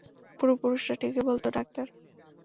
পূর্বপুরুষরা ঠিকই বলতো, ডাক্তার।